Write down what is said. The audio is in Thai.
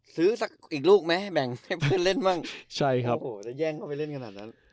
ซื้ออีกลูกไหมให้แบ่งให้เพื่อนเล่นบ้างจะแย่งเขาไปเล่นขนาดนั้น